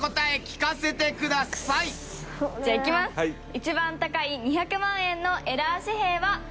一番高い２００万円のエラー紙幣はせーの。